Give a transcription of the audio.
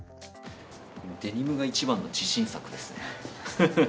デニムが一番の自信作ですね。